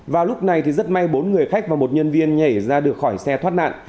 vào lúc này thì rất may bốn người khách và một nhân viên nhảy ra được khỏi xe thoát nạn